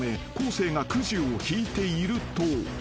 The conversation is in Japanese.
生がくじを引いていると］